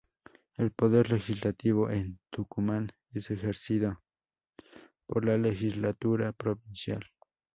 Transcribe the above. El Poder Legislativo en Tucumán es ejercido por la legislatura provincial.